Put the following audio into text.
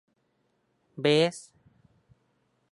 เบส